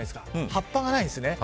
葉っぱが、ないんですね。